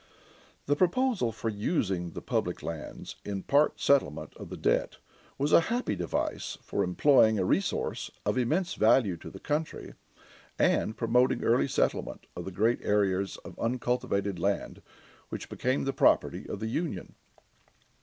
The proposal for using the public lands in part settlement of the debt was a happy device for employing a resource of immense value to the country, and promoting early settlement of the great areas of uncultivated land which became the property of the Union.